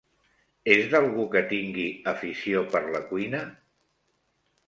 És d'algú que tingui afició per la cuina?